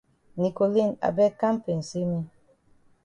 Nicoline I beg kam pensay me.